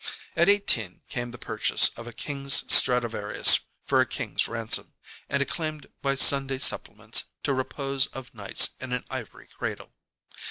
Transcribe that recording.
At eighteen came the purchase of a king's Stradivarius for a king's ransom, and acclaimed by Sunday supplements to repose of nights in an ivory cradle.